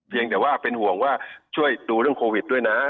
ยังแต่ว่าเป็นห่วงว่าช่วยดูเรื่องโควิดด้วยนะ